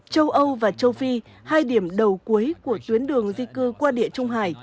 châu âu và châu phi hai điểm đầu cuối của tuyến đường di cư qua địa trung hải